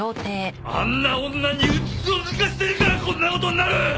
あんな女にうつつを抜かしてるからこんな事になる！